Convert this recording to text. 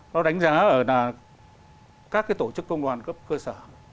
nó đánh giá ở các cái tổ chức công đoàn cấp cơ sở